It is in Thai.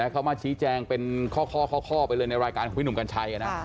เขามาชี้แจงเป็นข้อไปเลยในรายการของพี่หนุ่มกัญชัย